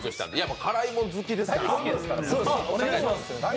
辛いもん好きですから。